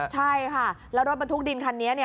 ใช่ค่ะแล้วรถบรรทุกดินคันนี้